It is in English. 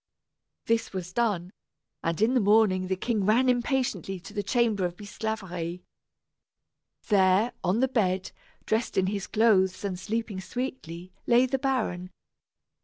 This was done, and in the morning the king ran impatiently to the chamber of Bisclaveret. There, on the bed, dressed in his clothes and sleeping sweetly, lay the baron.